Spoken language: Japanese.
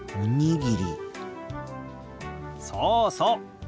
そうそう。